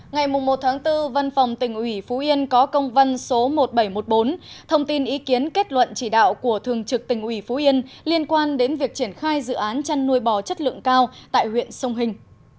ngày một bốn văn phòng tỉnh ủy phú yên có công văn số một nghìn bảy trăm một mươi bốn thông tin ý kiến kết luận chỉ đạo của thường trực tỉnh ủy phú yên liên quan đến việc triển khai dự án chăn nuôi bò chất lượng cao tại huyện sông hình